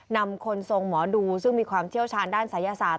นำคนทรงหมอดูซึ่งมีความเชี่ยวชาญด้านศัยศาสต